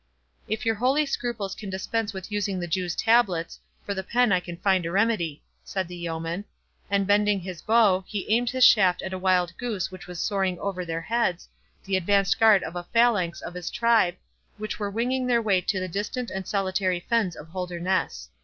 "If your holy scruples can dispense with using the Jew's tablets, for the pen I can find a remedy," said the yeoman; and, bending his bow, he aimed his shaft at a wild goose which was soaring over their heads, the advanced guard of a phalanx of his tribe, which were winging their way to the distant and solitary fens of Holderness.